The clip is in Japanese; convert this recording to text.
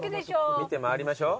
見て回りましょ。